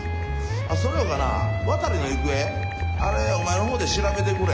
あっそれよかな渡の行方あれお前の方で調べてくれ。